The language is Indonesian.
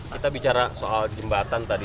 kita bicara soal jembatan tadi